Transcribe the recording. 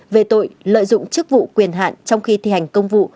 về tội lợi dụng chức vụ quyền hạn trong khi thi hành công vụ